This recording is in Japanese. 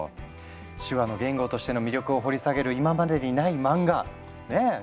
手話の言語としての魅力を掘り下げる今までにない漫画ねえ！